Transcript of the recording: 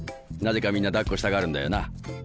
なぜかみんなだっこしたがるんだよな。